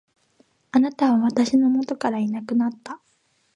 貴方は私の元からいなくなった。